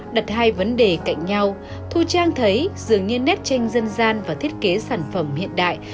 đặt hai vấn đề cạnh nhau thu trang thấy dường như nét tranh dân gian và thiết kế sản phẩm hiện đại